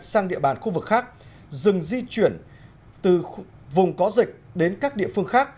sang địa bàn khu vực khác dừng di chuyển từ vùng có dịch đến các địa phương khác